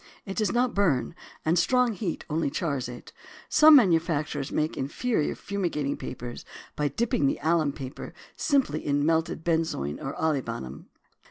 It does not burn, and strong heat only chars it. Some manufacturers make inferior fumigating papers by dipping the alum paper simply in melted benzoin or olibanum.